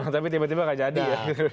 tapi tiba tiba gak jadi ya